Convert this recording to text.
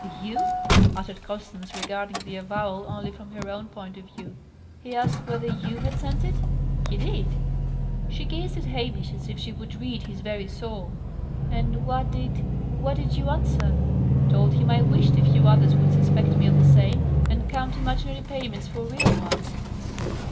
"You!" uttered Constance, regarding the avowal only from her own point of view. "He asked whether you had sent it?" "He did." She gazed at Hamish as if she would read his very soul. "And what did what did you answer?" "Told him I wished a few others would suspect me of the same, and count imaginary payments for real ones."